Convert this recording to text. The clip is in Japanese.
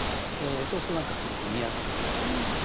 そうすると何かすごく見やすくなる。